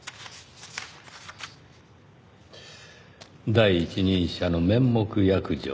第一人者の面目躍如。